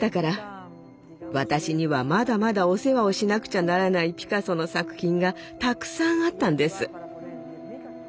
私にはまだまだお世話をしなくちゃならないピカソの作品がたくさんあったんです。